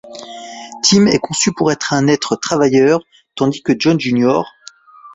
Tim est conçu pour être un travailleur, tandis que John Jr.